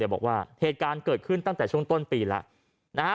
บอกว่าเหตุการณ์เกิดขึ้นตั้งแต่ช่วงต้นปีแล้วนะฮะ